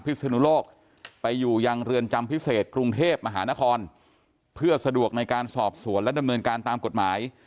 ศนุโลกไปอยู่ยังเรือนจำพิเศษกรุงเทพมหานครเพื่อสะดวกในการสอบสวนและดำเนินการตามกฎหมาย